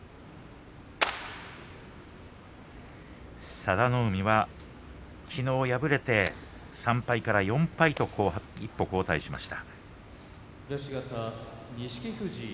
佐田の海は、きのう敗れて３敗から４敗になって後退しました。